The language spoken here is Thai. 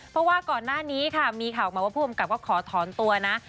เพราะว่าก่อนหน้านี้ค่ะมีข่าวออกมาว่าผู้กำกับก็ขอถอนตัวนะ